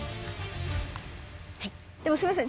はいすいません